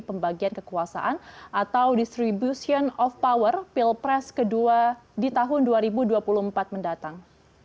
pembagian kekuasaan atau distribution of power pilpres kedua di tahun dua ribu dua puluh empat mendatang